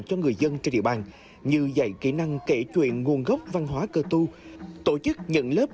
cho người dân trên địa bàn như dạy kỹ năng kể chuyện nguồn gốc văn hóa cơ tu tổ chức những lớp